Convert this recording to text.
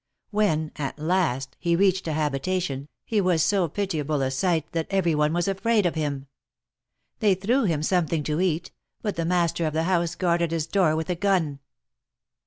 When, at last, he reached a habitation, he was so pitiable a sight that every one was afraid of him. They threw him something to eat, but the master of the house guarded his door with a gun.